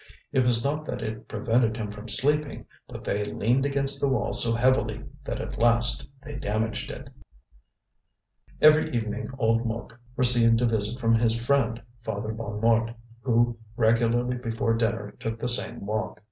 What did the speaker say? It was not that it prevented him from sleeping, but they leaned against the wall so heavily that at last they damaged it. Every evening old Mouque received a visit from his friend, Father Bonnemort, who regularly before dinner took the same walk.